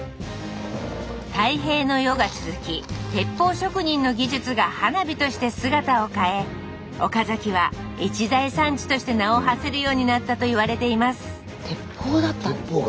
太平の世が続き鉄砲職人の技術が花火として姿を変え岡崎は一大産地として名をはせるようになったと言われています鉄砲だったんですか。